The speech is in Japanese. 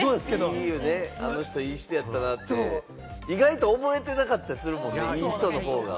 あの人、いい人やったなって、意外と覚えてなかったりするもんな、いい人の方が。